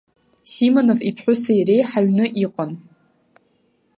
Симонов иԥҳәыси иареи ҳаҩны иҟан.